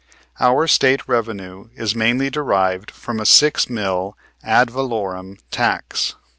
Our State revenue is mainly derived from a six mill ad valorem tax."